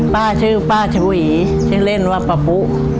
ป้าชื่อป้าชวีชื่อเล่นว่าป้าปุ๊